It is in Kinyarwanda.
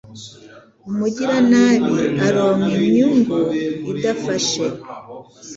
Umugiranabi aronka inyungu idafashe